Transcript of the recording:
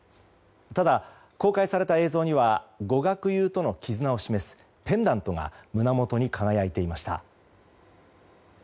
ただ、公開された映像にはご学友との絆を示すペンダントが胸元に輝いていました。